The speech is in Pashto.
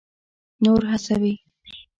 نور هڅوي.